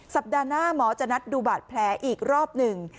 สัปดาห์หน้าหมอจะนัดดูบาดแผลอีกรอบหนึ่ง